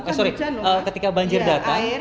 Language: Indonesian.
eh sorry ketika banjir datang